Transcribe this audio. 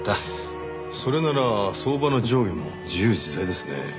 それなら相場の上下も自由自在ですね。